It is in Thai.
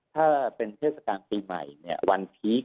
ถ้าเป็นเทศกาลปีใหม่เนี่ยวันพีค